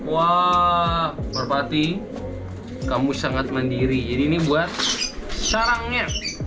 wah merpati kamu sangat mandiri jadi ini buat sarangnya